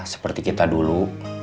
seperti kita dulu